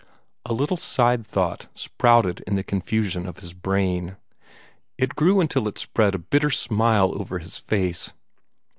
A little side thought sprouted in the confusion of his brain. It grew until it spread a bitter smile over his pale face.